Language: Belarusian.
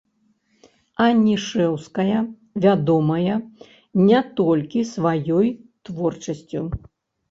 Анішэўская вядомая не толькі сваёй творчасцю.